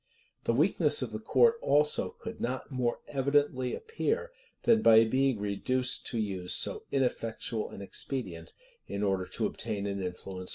The weakness of the court, also, could not more evidently appear, than by its being reduced to use so ineffectual an expedient, in order to obtain an influence over the commons.